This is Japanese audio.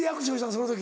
その時。